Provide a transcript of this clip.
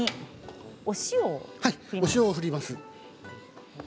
お塩を振ります。